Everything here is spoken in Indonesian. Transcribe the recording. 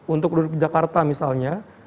untuk menurut jakarta misalnya